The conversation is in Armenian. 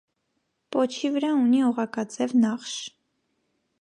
Պոչի վրա ունի օղակաձև նախշ։